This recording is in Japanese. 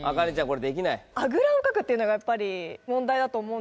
これ「できない」。っていうのがやっぱり問題だと思うんですよ。